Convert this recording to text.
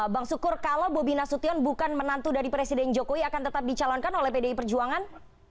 bang sukur kalau bobi nasution bukan menantu dari presiden jokowi akan tetap dicalonkan oleh pdi perjuangan